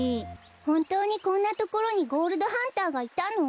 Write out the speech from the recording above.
ほんとうにこんなところにゴールドハンターがいたの？